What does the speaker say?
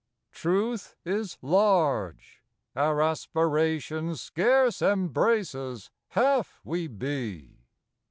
Truth is large. Our aspiration Scarce embraces half we be.